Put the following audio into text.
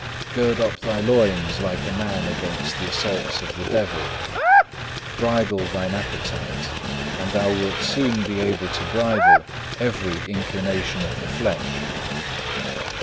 Gird up thy lions like a man against the assaults of the devil; bridle thine appetite, and thou wilt soon be able to bridle every inclination of the flesh.